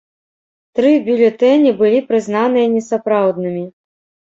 Тры бюлетэні былі прызнаныя несапраўднымі.